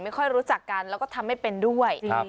รู้จักกันแล้วก็ทำไม่เป็นด้วย